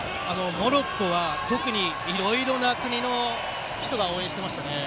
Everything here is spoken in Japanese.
モロッコは特にいろいろな国の人が応援してましたね。